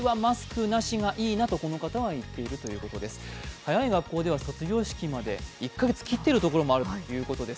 早い学校では卒業式まで１か月切っている学校もあるということです。